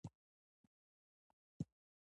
د حافظې د کمزوری لپاره د کندر او اوبو ګډول وکاروئ